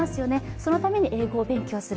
そのために英語を勉強する。